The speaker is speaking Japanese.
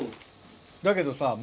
だけどさ。